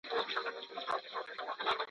خلګ د آزادۍ په نوم غولول کیږي.